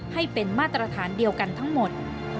ให้เป็นมาตรฐานเดียวกันทั้งหมด